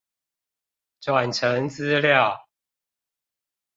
轉成資料